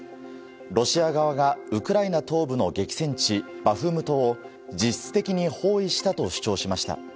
ロシア側がウクライナ東部の激戦地バフムトを実質的に包囲したと主張しました。